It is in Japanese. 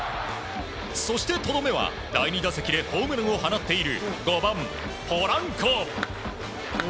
そしてとどめは第２打席でホームランを放っている５番、ポランコ。